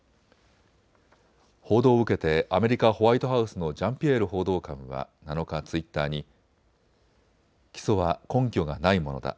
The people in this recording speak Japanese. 報道を受けてアメリカ・ホワイトハウスのジャンピエール報道官は７日、ツイッターに起訴は根拠がないものだ。